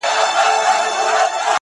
ما له یوې هم یوه ښه خاطره و نه لیده-